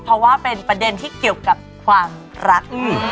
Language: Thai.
เพราะว่าเป็นประเด็นที่เกี่ยวกับความรัก